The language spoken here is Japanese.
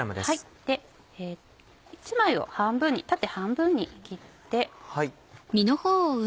１枚を縦半分に切って。